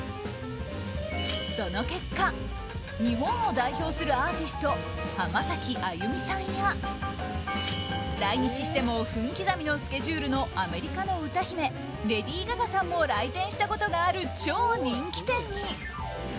その結果日本を代表するアーティスト浜崎あゆみさんや来日しても分刻みのスケジュールのアメリカの歌姫レディー・ガガさんも来店したことがある超人気店に。